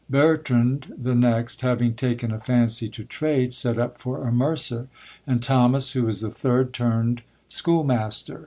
Bertrand, the next, having taken a fancy to trade, set up for a mercer ; and Thomas, who was the third, turned schoolmaster.